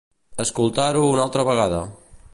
Escoltar-ho una altra vegada.